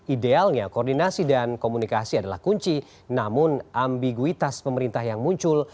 idealnya koordinasi dan komunikasi adalah kunci namun ambiguitas pemerintah yang muncul